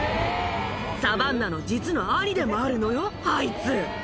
サバンナの実の兄でもあるのよ、あいつ。